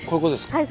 はい。